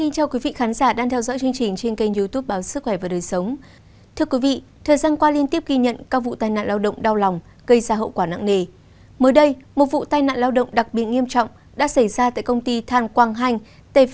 các bạn hãy đăng ký kênh để ủng hộ kênh của chúng mình nhé